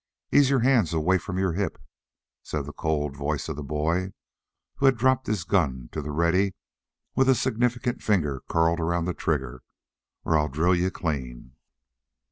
"Ease your hands away from your hip," said the cold voice of the boy, who had dropped his gun to the ready with a significant finger curled around the trigger, "or I'll drill you clean."